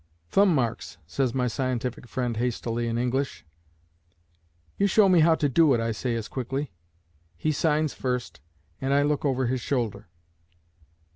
"Thumbmarks," says my scientific friend hastily in English. "You show me how to do it," I say as quickly. He signs first, and I look over his shoulder.